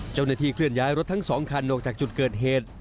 เจ้าหน้าที่เคลื่อนย้ายรถทั้งสองคันออกจากจุดเกิดเหตุ